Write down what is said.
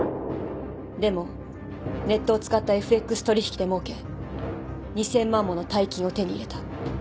でもネットを使ったＦＸ取引でもうけ２，０００万もの大金を手に入れた。